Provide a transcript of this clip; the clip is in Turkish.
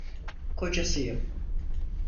Kocasıyım.